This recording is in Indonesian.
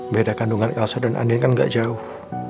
beda kandungan elsa dan andin kan gak jauh